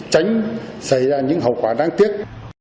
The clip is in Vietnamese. tránh xảy ra những hậu quả đáng tiếc